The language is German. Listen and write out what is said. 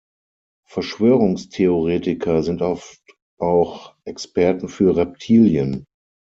Verschwörungstheoretiker sind oft auch Experten für Reptilien.